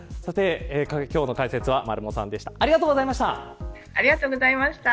今日の解説はまるもさんでした。